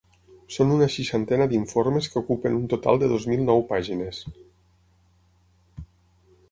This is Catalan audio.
Són una seixantena d’informes que ocupen un total de dos mil nou pàgines.